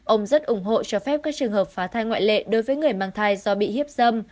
ông rất ủng hộ cho phép các trường hợp phá thai ngoại lệ đối với người mang thai do bị hiếp dâm